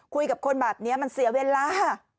คุยกับคนแบบนี้มันเสียเวลา